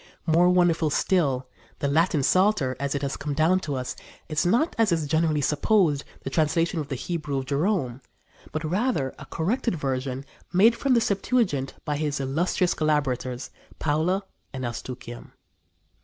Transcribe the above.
More wonderful still, the Latin Psalter, as it has come down to us, is not, as is generally supposed, the translation from the Hebrew of Jerome, but rather a corrected version made from the Septuagint by his illustrious collaborators Paula and Eustochium.